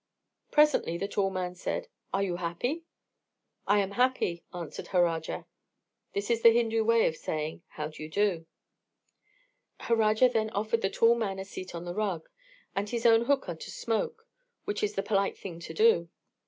Presently the tall man said: "Are you happy?" "I am happy," answered Harajar. This is the Hindu way of saying "How do you do?" Harajar then offered the tall man a seat on the rug, and his own hookah to smoke, which is the polite thing to do.